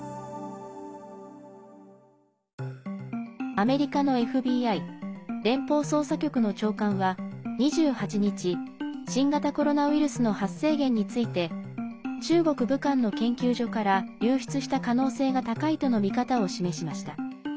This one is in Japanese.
アメリカのＦＢＩ＝連邦捜査局の長官は２８日、新型コロナウイルスの発生源について中国・武漢の研究所から流出した可能性が高いとの見方を示しました。